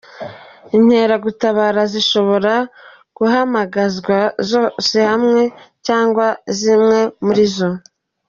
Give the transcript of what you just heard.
Inkeragutabara zishobora guhamagarwa zose hamwe cyangwa zimwe muri zo.